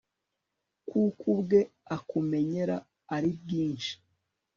kuko ubwe akumenyera ari bwinshi